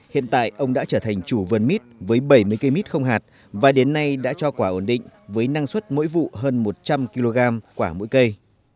hiện tại ông đã trở thành chủ vườn mít với bảy mươi cây mít không hạt và đến nay đã cho quả ổn định với năng suất mỗi vụ hơn một trăm linh kg quả mỗi cây